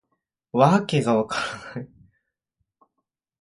わけが分からないよ